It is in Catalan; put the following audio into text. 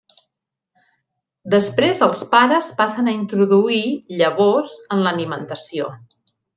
Després els pares passen a introduir llavors en l'alimentació.